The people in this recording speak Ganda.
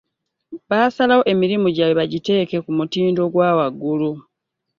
Basalwo emirimu gyabwe bajiteeke ku mutindo ogwa waggulu .